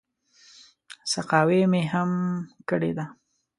سقاوي مې هم کړې ده.